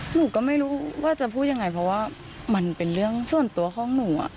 หนูก็ไม่รู้ว่าจะพูดยังไงเพราะว่ามันเป็นเรื่องส่วนตัวของหนู